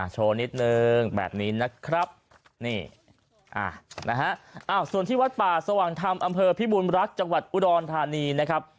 โชว์นิดนึงแบบนี้นะครับนี่นะฮะส่วนที่วัดป่าสว่างธรรมอำเภอพิบูรณรักษ์จังหวัดอุดรธานีนะครับ